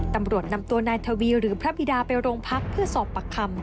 ตำรวจนำตัวนายทวีหรือพระบิดาไปโรงพักเพื่อสอบปากคำ